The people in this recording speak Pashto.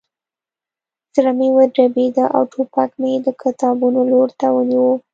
زړه مې وډبېده او ټوپک مې د کتابونو لور ته ونیو